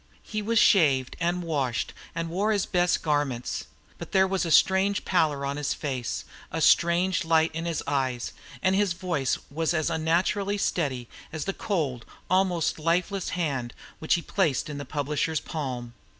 He was shaved and washed, and wore his best garments; but there was a strange pallor on his face, a strange light in his eyes, and his voice was as unnaturally steady as the cold, almost lifeless hand which he placed within the publisher's palm.